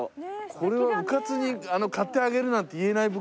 これはうかつに買ってあげるなんて言えない物件なんじゃないの？